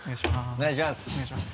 お願いします。